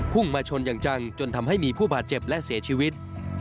มาชนอย่างจังจนทำให้มีผู้บาดเจ็บและเสียชีวิต